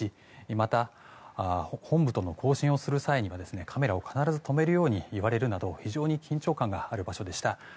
また、本部との交信をする際にはカメラを必ず止めるように言われるなど非常に緊張感がある場所でした。